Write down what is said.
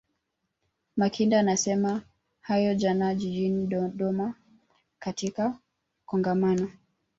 Makinda amesema hayo jana jijini Dodoma katika Kongamano